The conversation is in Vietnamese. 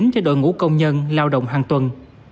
cho đội ngũ công nhân lao động hàng tuần